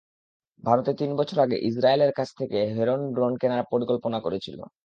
ভারত তিন বছর আগে ইসরায়েলের কাছে থেকে হেরন ড্রোন কেনার পরিকল্পনা করেছিল।